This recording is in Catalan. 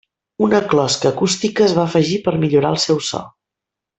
Una closca acústica es va afegir per millorar el seu so.